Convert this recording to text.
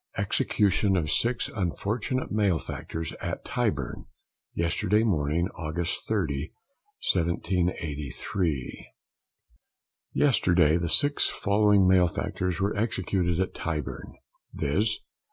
EXECUTION OF Six Unfortunate Malefactors, AT TYBURN, YESTERDAY MORNING, AUGUST 30, 1783. Yesterday the six following malefactors were executed at Tyburn, viz.